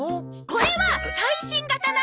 これは最新型なの！